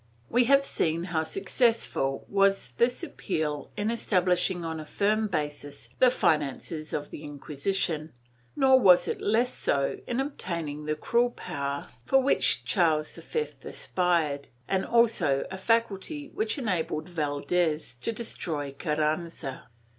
^ We have seen (Vol. II p. 426) how successful was this appeal in establishing on a firm basis the finances of the Inquisition, nor was it less so in obtaining the cruel power for which Charles V aspired, and also a faculty which enabled Valdes to destroy Carranza.